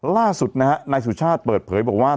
ล่าสุดนะฮะนายสุชาติเปิดเผยบอกว่า